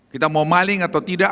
kita mau maling atau tidak